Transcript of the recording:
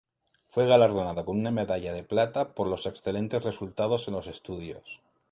Fue galardonado con una medalla de plata por los excelentes resultados en los estudios.